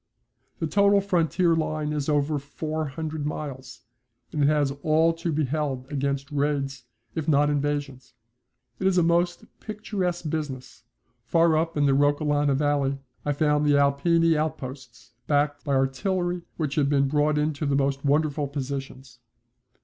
The total frontier line is over four hundred miles, and it has all to be held against raids if not invasions. It is a most picturesque business. Far up in the Roccolana Valley I found the Alpini outposts, backed by artillery which had been brought into the most wonderful positions.